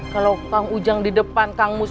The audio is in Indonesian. kalau kang ujang di depan kang mus